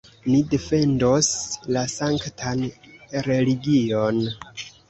Ni defendos la sanktan religion!